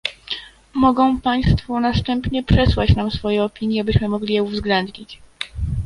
Mogą państwo następnie przesłać nam swoje opinie, byśmy mogli je uwzględnić